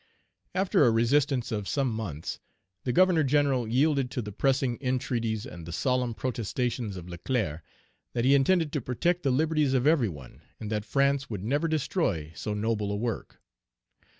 "After a resistance of some months, the Governor General yielded to the pressing entreaties and the solemn protestations of Leclerc, 'that he intended to protect the liberties of every one, and that France would never destroy so noble a work.'